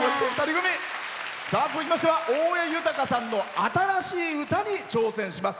続きましては大江裕さんの新しい歌に挑戦します。